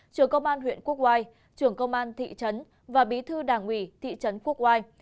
trưởng công an huyện quốc oai trưởng công an thị trấn và bí thư đảng ủy thị trấn quốc oai